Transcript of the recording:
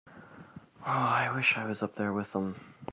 I wish I was up there with them.